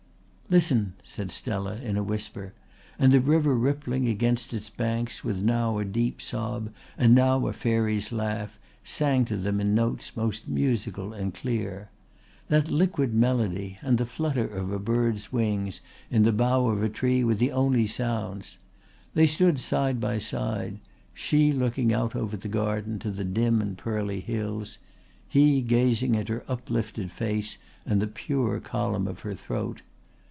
"Listen," said Stella in a whisper and the river rippling against its banks with now a deep sob and now a fairy's laugh sang to them in notes most musical and clear. That liquid melody and the flutter of a bird's wings in the bough of a tree were the only sounds. They stood side by side, she looking out over the garden to the dim and pearly hills, he gazing at her uplifted face and the pure column of her throat.